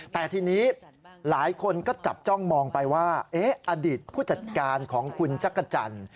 แต่ทีนี้หลายคนก็จับจ้องมองไปว่าอดีตผู้จัดการของคุณจักรจันทร์